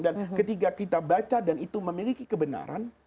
dan ketika kita baca dan itu memiliki kebenaran